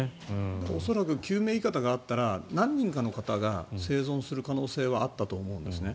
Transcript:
恐らく救命いかだがあったら何人かの方は生存する可能性があったと思うんですね。